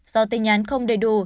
do tin nhắn không đầy đủ